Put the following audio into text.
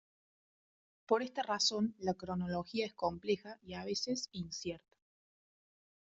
Por esta razón, la cronología es compleja y a veces incierta.